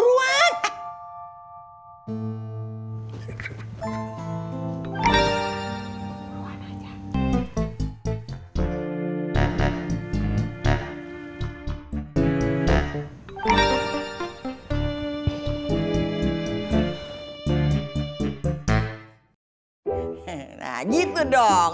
nah gitu dong